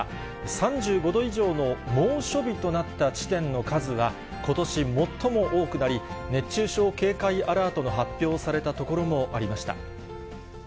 ３５度以上の猛暑日となった地点の数は、ことし最も多くなり、熱中症警戒アラートの発表された所もありました。